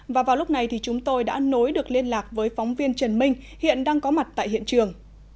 và vào lúc này thì chúng tôi đã nối được liên lạc với phóng viên trần minh hiện đang có mặt tại hiện trường